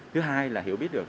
thứ hai là hiểu biết được